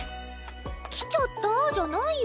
「来ちゃった！」じゃないよ。